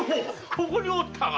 ここにおったか。